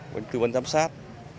với cư vấn giám sát